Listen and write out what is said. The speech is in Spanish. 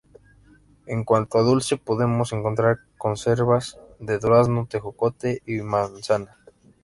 En cuanto a dulce podemos encontrar: conservas de durazno, tejocote y manzana.